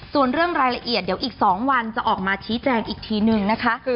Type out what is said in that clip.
ส่วนเรื่องรายละเอียดเดี๋ยวอีก๒วันจะออกมาชี้แจงอีกทีนึงนะคะ